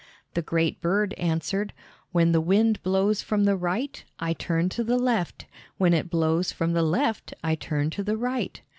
The great bird answered, "When the wind blows from the right I turn to the left; when it blows from the left I turn to the right."